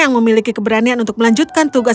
yang memiliki keberanian untuk melanjutkan tugas